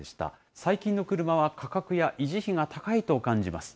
最近の車は価格や維持費が高いと感じます。